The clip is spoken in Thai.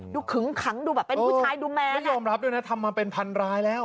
ขึงขังดูแบบเป็นผู้ชายดูแมนแล้วยอมรับด้วยนะทำมาเป็นพันรายแล้ว